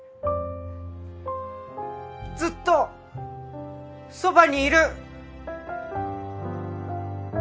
ずっとそばにいる！